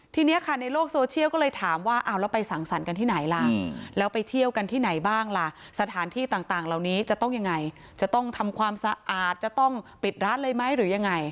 ทีนี้ค่ะในโลกโซเชียลก็เลยถามว่าเอาแล้วไปสั่งสรรค์กันที่ไหนล่ะแล้วไปเที่ยวกันที่ไหนบ้างล่ะสถานที่ต่างเหล่านี้จะต้องยังไงจะต้องทำความสะอาดจะต้องปิดร้านเลยไหมหรือยังไง